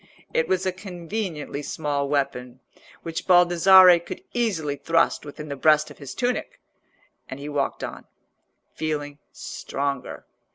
It was a conveniently small weapon, which Baldassarre could easily thrust within the breast of his tunic, and he walked on, feeling stronger.